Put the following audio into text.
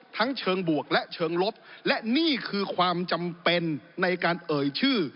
ทั้งเชิงบวกและเชิงลบและนี่คือความจำเป็นในการเอ่ยชื่อ